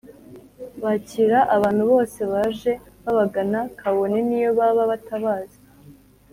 bakira abantu bose baje babagana kabone n’iyo baba batabazi.